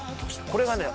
これがね